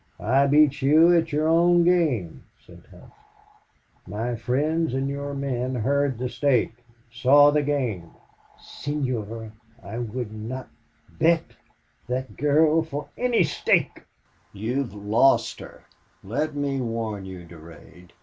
"I beat you at your own game," said Hough. "My friends and your men heard the stake saw the game." "Senor, I would not bet that girl for any stake!" "You have LOST her... Let me warn you, Durade.